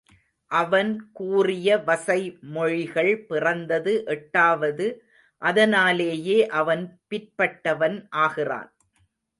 அவன் கூறிய வசை மொழிகள் பிறந்தது எட்டாவது அதனாலேயே அவன் பிற்பட்டவன் ஆகிறான்.